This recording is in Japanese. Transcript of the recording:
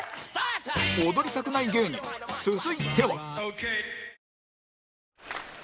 踊りたくない芸人続いては